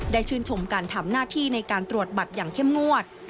ชื่นชมการทำหน้าที่ในการตรวจบัตรอย่างเข้มงวด